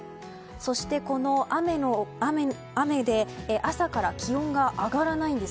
そして、この雨で朝から気温が上がらないんです。